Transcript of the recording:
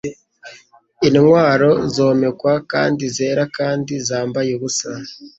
Intwaro zomekwa kandi zera kandi zambaye ubusa